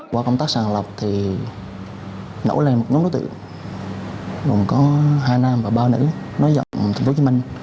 qua công tác sàn lọc thì nổ lên một nhóm đối tượng gồm có hai nam và ba nữ nói dọng tp hcm